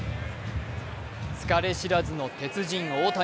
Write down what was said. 疲れ知らずの鉄人・大谷。